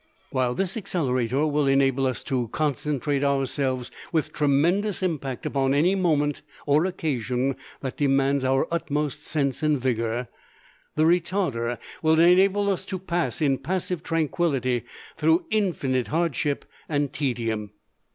While this Accelerator will enable us to concentrate ourselves with tremendous impact upon any moment or occasion that demands our utmost sense and vigour, the Retarder will enable us to pass in passive tranquillity through infinite hardship and tedium.